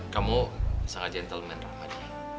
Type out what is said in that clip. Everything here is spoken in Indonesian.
kamu sangat gentleman